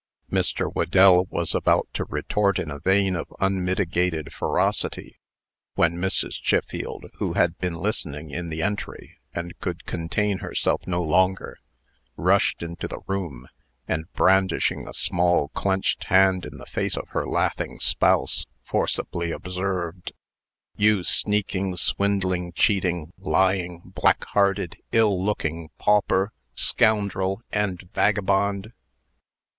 Mr. Whedell was about to retort in a vein of unmitigated ferocity, when Mrs. Chiffield, who had been listening in the entry, and could contain herself no longer, rushed into the room, and, brandishing a small clenched hand in the face of her laughing spouse, forcibly observed: "You sneaking, swindling, cheating, lying, black hearted, ill looking pauper, scoundrel, and vagabond!"